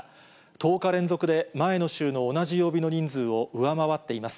１０日連続で前の週の同じ曜日の人数を上回っています。